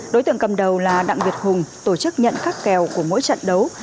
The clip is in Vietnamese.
đối tượng cầm đầu là đặng việt hùng tổ chức nhận các kèo của mỗi trận đấu